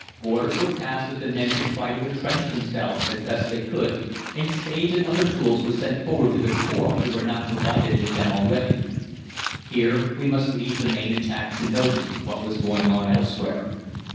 Orders were passed that the men should try to entrench themselves as best they could, and spades and other tools were sent forward to those corps who were not provided with them already. "Here we must leave the main attack to notice what was going on elsewhere.